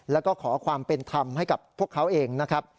แล้วก็ขอความเป็นธรรมให้กับพวกเขาเองนะครับ